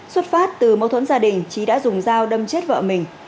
xuất phát từ mâu thuẫn gia đình trí đã dùng dao đâm chết vợ mình